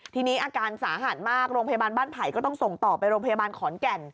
ทีนี้อาการสาหัสมากโรงพยาบาลบ้านไผ่ก็ต้องส่งต่อไปโรงพยาบาลขอนแก่น